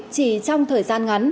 chỉ trong thời gian này